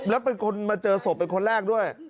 แล้วเป็นคนมาเจอศพเป็นคนแรกด้วย